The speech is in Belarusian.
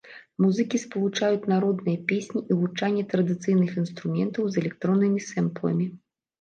Музыкі спалучаюць народныя песні і гучанне традыцыйных інструментаў з электроннымі сэмпламі.